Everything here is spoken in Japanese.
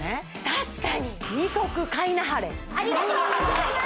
確かにありがとうございます